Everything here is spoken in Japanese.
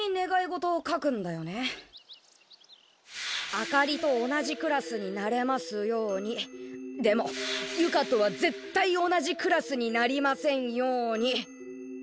「あかりと同じクラスになれますようにでも由香とはぜったい同じクラスになりませんように勝」。